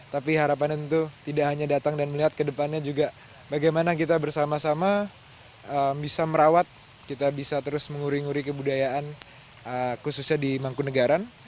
tapi harapannya tentu tidak hanya datang dan melihat ke depannya juga bagaimana kita bersama sama bisa merawat kita bisa terus menguri nguri kebudayaan khususnya di mangkunegaran